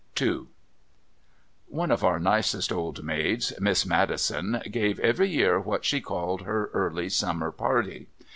II One of our nicest old maids, Miss Maddison, gave every year what she called her "early summer party."